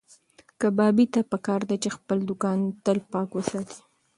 کبابي ته پکار ده چې خپل دوکان تل پاک وساتي.